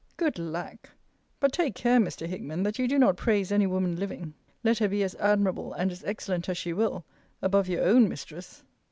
Good lack! but take care, Mr. Hickman, that you do not praise any woman living, let her be as admirable and as excellent as she will, above your own mistress.